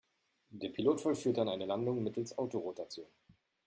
Der Pilot vollführt dann eine Landung mittels Autorotation.